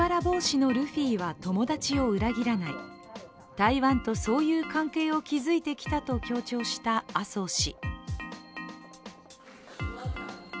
台湾とそういう関係を築いてきたと強調した麻生氏。